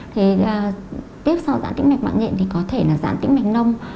tiếp sau giãn tĩnh mạch mạng nhện thì có thể là giãn tĩnh mạch nông